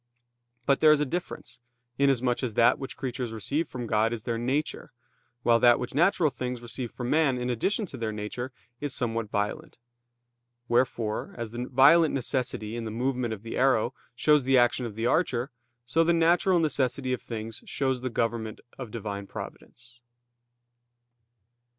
But there is a difference, inasmuch as that which creatures receive from God is their nature, while that which natural things receive from man in addition to their nature is somewhat violent. Wherefore, as the violent necessity in the movement of the arrow shows the action of the archer, so the natural necessity of things shows the government of Divine Providence.